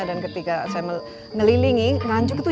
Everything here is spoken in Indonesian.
dan ketika saya melilingi nganjuk itu